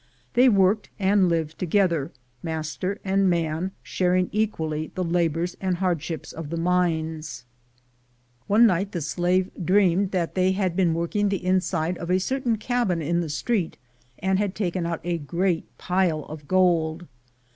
Tliey worked and lived together, master and man sharing equally the labors and hard ships of the mines. 162 THE GOLD HUNTERS One night the slave dreamed that they had been working the inside of a certain cabin in the street, and had taken out a great pile of gold.